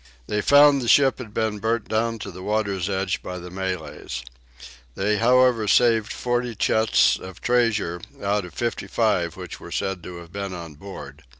They found the ship had been burnt down to the water's edge by the Malays. They however saved 40 chests of treasure out of 55 which were said to have been on board.